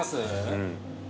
うん。